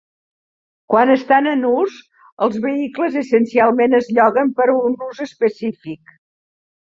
Quan estan en ús, els vehicles essencialment es lloguen per a un ús específic.